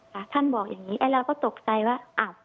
ท่านบอกอย่างนี้ไอ้เราก็ตกใจว่า